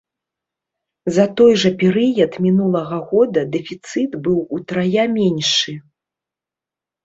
За той жа перыяд мінулага года дэфіцыт быў утрая меншы.